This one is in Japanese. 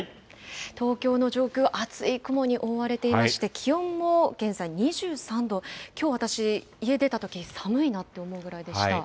東京の上空、厚い雲に覆われていまして、気温も現在２３度、きょう、私、家出たとき、寒いなって思うぐらいでした。